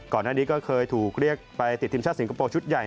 ก่อนหน้านี้ก็เคยถูกเรียกไปติดทีมชาติสิงคโปร์ชุดใหญ่